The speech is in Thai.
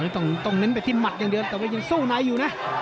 ต้องเน้นไปที่หมัดอย่างเดียวแต่ว่ายังสู้ในอยู่นะ